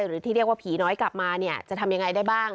หรือที่เรียกว่าผีน้อยกลับมาเนี่ยจะทำยังไงได้บ้าง